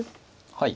はい。